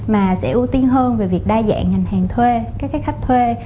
mà sẽ ưu tiên hơn về việc đa dạng ngành hàng thuê các khách thuê